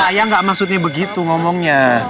saya nggak maksudnya begitu ngomongnya